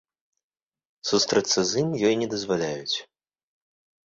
Сустрэцца з ім ёй не дазваляюць.